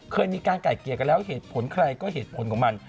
เคยมีการไก่เกลี่ยกันแล้วเหตุผลใครก็เหตุผลของมัน